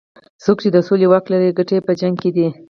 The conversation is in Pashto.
څوک چې د سولې واک لري ګټې یې په جنګ کې دي.